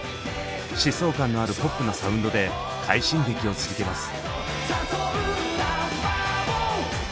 疾走感のあるポップなサウンドで快進撃を続けます。